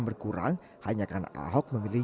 berkurang hanya karena ahok memilih